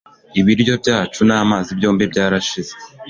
Ibiryo byacu n'amazi byombi byarashize.